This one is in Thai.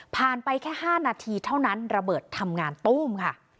ไปแค่๕นาทีเท่านั้นระเบิดทำงานตู้มค่ะ